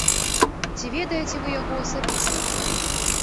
Ці ведаеце вы яго асабіста?